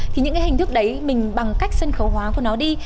thì những cái hình thức đấy mình bằng cách sân khấu hóa của nó đi